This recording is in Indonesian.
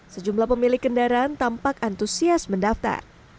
sejumlah pemilik kendaraan tampak antusias mendaftar